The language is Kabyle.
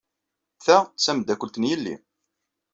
Ta d tameddakelt n yelli.